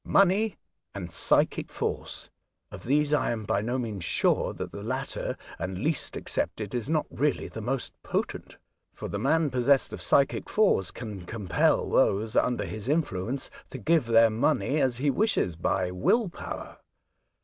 Money and Psychic force. Of these I am by no means sure that the latter and least accepted is not really the most potent ; for the man possessed of psychic force can compel those under his influence to give their money as he wishes by will power.